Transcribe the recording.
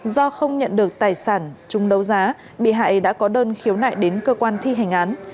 do không nhận được tài sản chung đấu giá bị hại đã có đơn khiếu nại đến cơ quan thi hành án